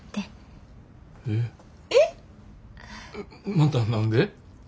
また何で？